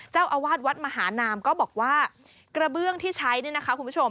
เจ้าอาวาสวัดมหานามก็บอกว่ากระเบื้องที่ใช้เนี่ยนะคะคุณผู้ชม